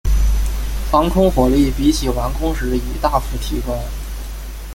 防空火力比起完工时已大幅提高。